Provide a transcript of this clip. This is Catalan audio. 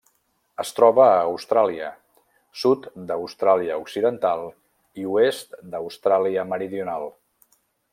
Es troba a Austràlia: sud d'Austràlia Occidental i oest d'Austràlia Meridional.